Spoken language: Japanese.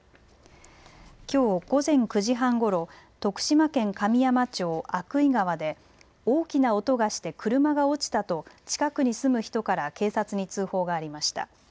きょう午前９時半ごろ徳島県神山町、鮎喰川で大きな音がして車が落ちたと近くに住む人から警察に通報がありました。